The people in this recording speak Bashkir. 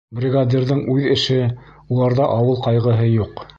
Бригадирҙың үҙ эше, уларҙа ауыл ҡайғыһы юҡ.